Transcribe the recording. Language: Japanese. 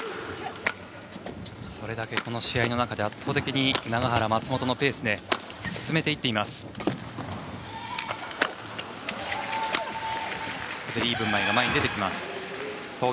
それだけこの試合の中で圧倒的に永原、松本のペースで進めていっています。